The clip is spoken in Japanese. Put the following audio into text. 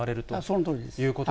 そのとおりです。